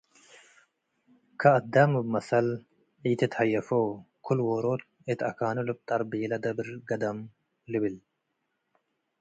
ከአዳም እብ መሰል፤ “ኢትትሀየፎ፣ ክል-ዎሮት እት አካኑ ልብጠር፡ ቤለ ደብር ገደም” ልብል።